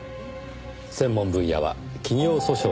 専門分野は企業訴訟でしょうか？